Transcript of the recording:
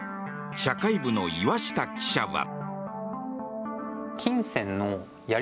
社会部の岩下記者は。